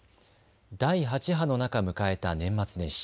第８波の中迎えた年末年始。